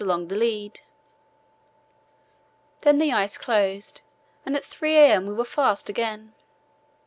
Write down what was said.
along the lead. Then the ice closed and at 3 a.m. we were fast again.